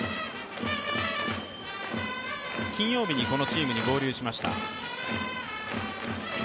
金曜日にこのチームに合流しました。